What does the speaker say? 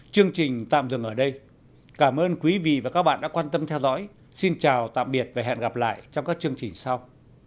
chương trình tạm dừng ở đây cảm ơn quý vị và các bạn đã quan tâm theo dõi xin chào tạm biệt và hẹn gặp lại trong các chương trình sau